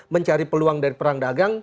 mencari peluang dari perang dagang